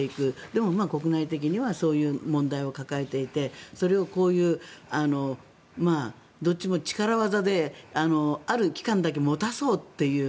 でも、国内的にはそういう問題を抱えていてそれをこういうどっちも力技である期間だけ持たそうという。